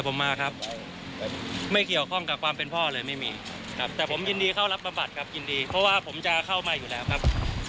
เพราะว่าผมจะเข้ามาอยู่แล้วครับ